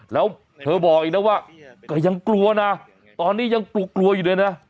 แล้วเธอบอกอีกนะว่าก็ยังกลัวนะตอนนี้ยังกลัวอยู่เลยนะ